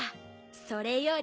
それより。